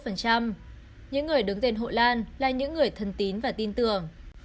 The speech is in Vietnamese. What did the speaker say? những người đứng tên hội lan là những người thân tín và tin tưởng